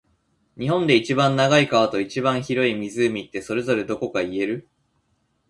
日本で一番長い川と、一番広い湖って、それぞれどこか言える？